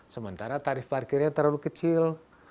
sementara tarif parkirnya terlalu kecil